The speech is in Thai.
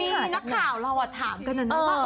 ไม่อย่าให้นักข่าวเราตามกันแล้วว่า